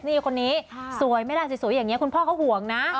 นี่คนนี้สวยไม่ได้สวยอย่างนี้คุณพ่อเขาห่วงนะ